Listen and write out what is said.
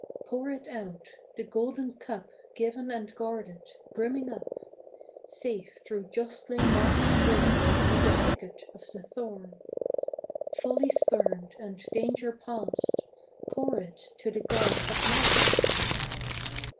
Pour it out, the golden cup Given and guarded, brimming up, Safe through jostling markets borne And the thicket of the thorn; Folly spurned and danger past, Pour it to the god at last.